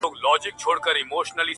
زه هم دا ستا له لاسه”